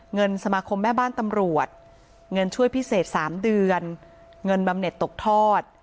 เงินสมาคมแม่บ้านตำรวจเงินช่วยพิเศษ๓เดือนเงินบำเน็ตตกทอด